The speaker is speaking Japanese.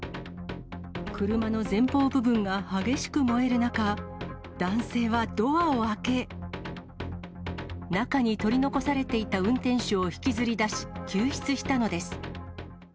車の前方部分が激しく燃える中、男性はドアを開け、中に取り残されていた運転手を引きずり出し、救出したのです。